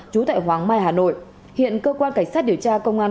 trú tại hoàng mai hà nội hiện cơ quan cảnh sát điều tra công an